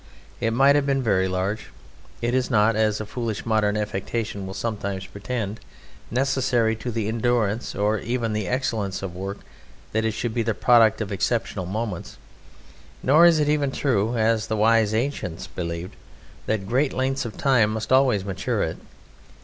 It might have been very large. It is not (as a foolish modern affectation will sometimes pretend) necessary to the endurance or even the excellence of work that it should be the product of exceptional moments; nor is it even true (as the wise Ancients believed) that great length of time must always mature it.